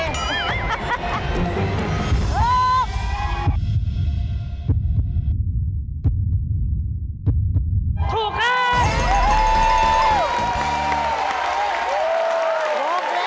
ถูก